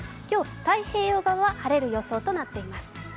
今日、太平洋側は晴れる予報となっています。